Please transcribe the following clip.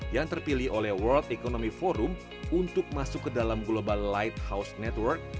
yang terpilih oleh world economy forum untuk masuk ke dalam global lighthouse network